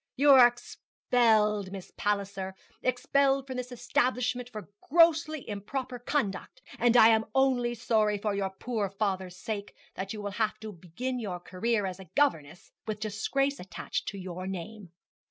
You are expelled, Miss Palliser expelled from this establishment for grossly improper conduct; and I am only sorry for your poor father's sake that you will have to begin your career as a governess with disgrace attached to your name.'